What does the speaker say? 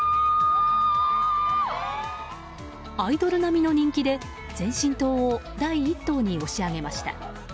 アイドル並みの人気で前進党を第１党に押し上げました。